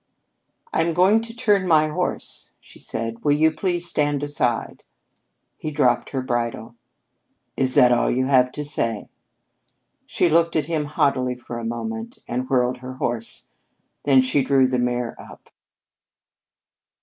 "I am going to turn my horse," she said. "Will you please stand aside?" He dropped her bridle. "Is that all you have to say?" She looked at him haughtily for a moment and whirled her horse. Then she drew the mare up.